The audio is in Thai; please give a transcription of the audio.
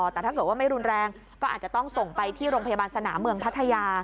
แต่ถ้าเกิดว่าไม่รุนแรงก็อาจจะต้องส่งไปที่โรงพยาบาลสนามเมืองพัทยา